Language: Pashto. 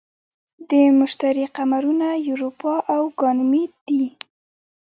د مشتری قمرونه یوروپا او ګانیمید دي.